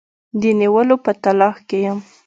د نیولو په تلاښ کې یم.